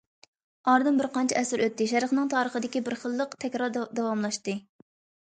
ئارىدىن بىر قانچە ئەسىر ئۆتتى، شەرقنىڭ تارىخىدىكى بىر خىللىق تەكرار داۋاملاشتى.